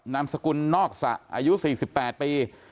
นามสกุลนอกสะอายุ๔๘ปี